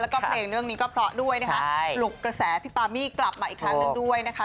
แล้วก็เพลงเรื่องนี้ก็เพราะด้วยนะคะหลุกกระแสพี่ปามี่กลับมาอีกครั้งหนึ่งด้วยนะคะ